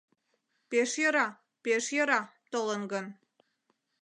Пеш йӧра, пеш йӧра, толын гын.